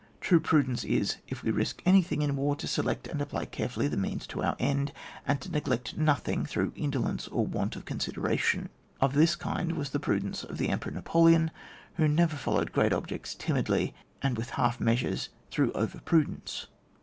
True prudence is, if we risk any thing in war, to select and apply carefully the means to our end, and to neglect nothing through indolence or want of consideration. Of this kind was the pru dence of the Emperor Napoleon, who never followed great objects timidly and with half measures through over pru dence.